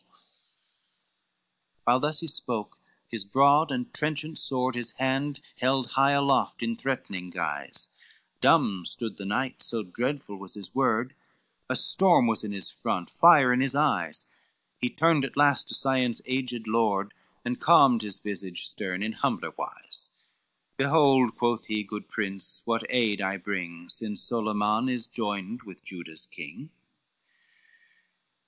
LII While thus he spoke, his broad and trenchant sword His hand held high aloft in threatening guise; Dumb stood the knights, so dreadful was his word; A storm was in his front, fire in his eyes, He turned at last to Sion's aged lord, And calmed his visage stern in humbler wise: "Behold," quoth he, "good prince, what aid I bring, Since Solyman is joined with Juda's king."